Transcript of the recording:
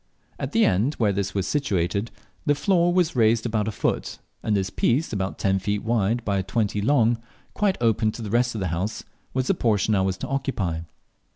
At the end where this was situated the floor was raised about a foot, and this piece, about ten feet wide by twenty long, quite open to the rest of the house, was the portion I was to occupy.